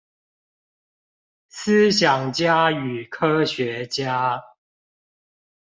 思想家與科學家